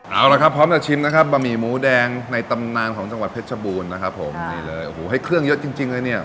เอาละครับพร้อมจะชิมนะครับบะหมี่หมูแดงในตำนานของจังหวัดเพชรบูรณ์นะครับผมนี่เลยโอ้โหให้เครื่องเยอะจริงจริงเลยเนี่ย